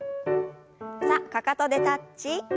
さあかかとでタッチ。